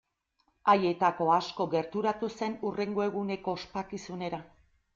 Haietako asko gerturatu zen hurrengo eguneko ospakizunera.